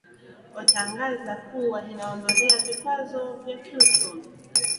otangaza kuwa inaondolea vikwazo vya kiuchumi